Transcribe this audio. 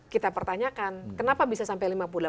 kita pertanyakan kenapa bisa sampai